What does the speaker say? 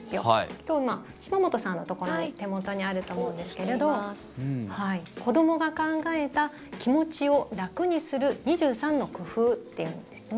今、島本さんのところに手元にあると思うんですけれど「こどもが考えた気持ちを楽にする２３のくふう」というんですね。